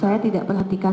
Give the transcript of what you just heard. saya tidak perhatikan